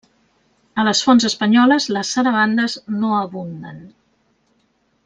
A les fonts espanyoles, les sarabandes no abunden.